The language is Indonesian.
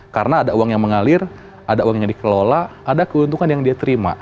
karena ada uang yang mengalir ada uang yang dikelola ada keuntungan yang dia terima